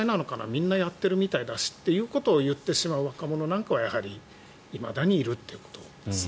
みんなやってるみたいだしといってしまう若者なんかはいまだにいるということです。